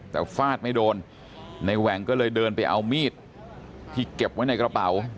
แต่ฟาดไม่โดนในแหว่งก็เลยเดินไปเอามีดที่เก็บไว้ในกระเป๋า